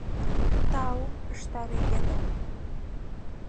— Тау, — ыштале Генок.